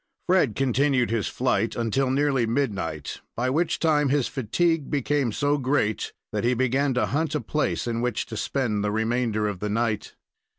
Fred continued his flight until nearly midnight, by which time his fatigue became so great that he began to hunt a place in which to spend the remainder of the night.